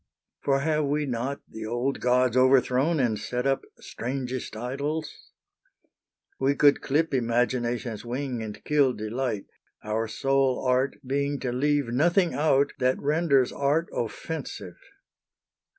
For have we not the old gods overthrown And set up strangest idols? We could clip Imagination's wing and kill delight, Our sole art being to leave nothing out That renders art offensive.